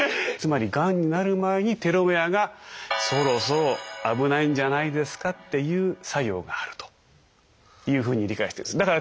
つまりがんになる前にテロメアが「そろそろ危ないんじゃないですか」っていう作用があるというふうに理解してるんです。